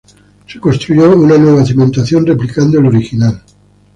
Se construyó una nueva cimentación replicando el original.